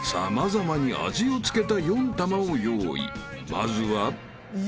［まずは］